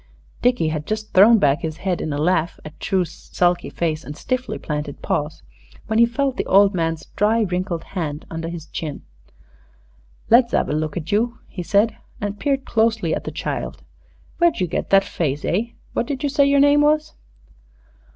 Dickie had just thrown back his head in a laugh at True's sulky face and stiffly planted paws, when he felt the old man's dry, wrinkled hand under his chin. "Let's 'ave a look at you," he said, and peered closely at the child. "Where'd you get that face, eh? What did you say your name was?"